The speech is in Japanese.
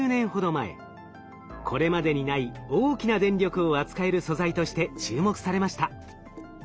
これまでにない大きな電力を扱える素材として注目されました。